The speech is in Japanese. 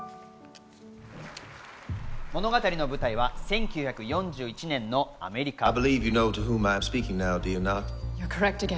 物語の舞台は１９４１年のアメリカ。